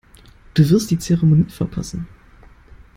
Du wirst die Zeremonie verpassen.